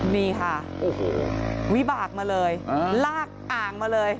นี่ค่ะโอ้โหวิบากมาเลยลากอ่างมาเลย